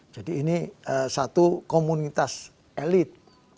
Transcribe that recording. jadi ini satu komunitas elit